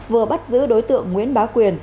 vừa bắt giữ đối tượng nguyễn bá quyền